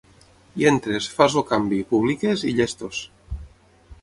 Hi entres, fas el canvi, publiques i llestos!